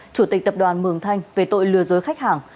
chủ tịch tập đoàn mường thanh về tội lừa dối khách hàng